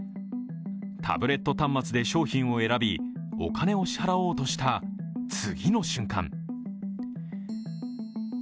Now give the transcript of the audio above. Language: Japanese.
タブレット端末で商品を選びお金を支払おうとした次の瞬間。